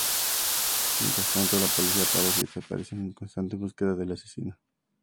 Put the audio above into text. Mientras tanto la policía aparece y desaparece en su constante búsqueda del asesino.